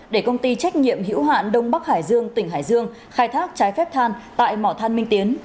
để công ty trách nhiệm hữu hạn đông bắc hải dương tỉnh hải dương khai thác trái phép than tại mỏ than minh tiến